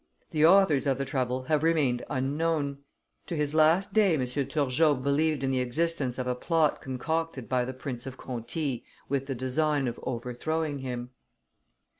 The authors of the trouble have remained unknown; to his last day M. Turgot believed in the existence of a plot concocted by the Prince of Conti, with the design of overthrowing him.